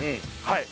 はい！